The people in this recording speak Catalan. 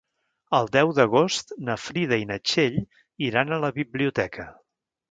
El deu d'agost na Frida i na Txell iran a la biblioteca.